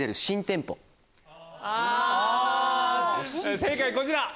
正解こちら！